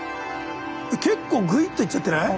結構ぐいっといっちゃってない？